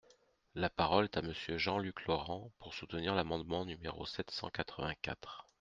La parole est à Monsieur Jean-Luc Laurent, pour soutenir l’amendement numéro sept cent quatre-vingt-quatre.